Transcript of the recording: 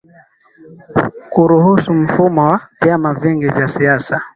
kuruhusu mfumo wa vyama vingi vya siasa